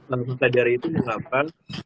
langsung ke dari itu mengapa